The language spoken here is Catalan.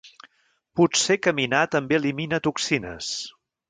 Potser caminar també elimina toxines.